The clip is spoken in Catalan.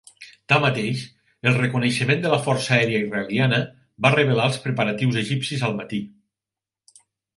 Tanmateix, el reconeixement de la Força Aèria Israeliana va revelar els preparatius egipcis al matí.